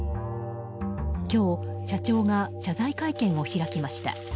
今日、社長が謝罪会見を開きました。